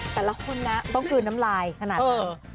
แต่ละคนนะต้องกลืนน้ำลายขนาดนั้น